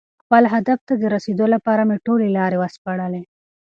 خپل هدف ته د رسېدو لپاره مې ټولې لارې وسپړلې.